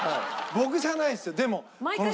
僕じゃないですよ。